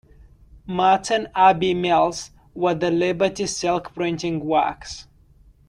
Merton Abbey Mills were the Liberty silk-printing works.